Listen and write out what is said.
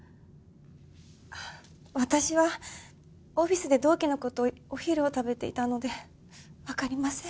私はオフィスで同期の子とお昼を食べていたのでわかりません。